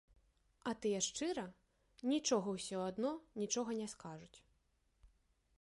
А тыя шчыра нічога ўсё адно нічога не скажуць.